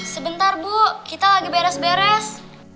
sebentar bu kita lagi beres beres